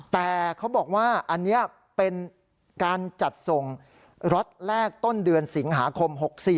แต่เขาบอกว่าอันนี้เป็นการจัดส่งล็อตแรกต้นเดือนสิงหาคม๖๔